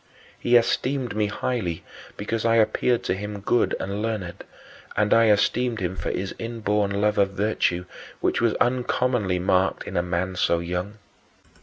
He esteemed me highly because I appeared to him good and learned, and I esteemed him for his inborn love of virtue, which was uncommonly marked in a man so young.